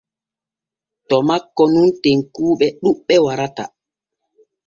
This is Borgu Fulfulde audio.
To makko nun tenkuuɓe ɗuɓɓe warata.